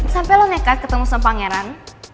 sampai lo nekat ketemu sama pangeran